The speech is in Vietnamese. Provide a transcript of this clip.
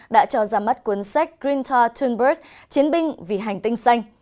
đã cho ra mắt cuốn sách greentor thunberg chiến binh vì hành tinh xanh